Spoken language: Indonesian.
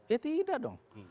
ya tidak dong